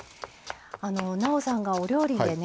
なおさんがお料理でね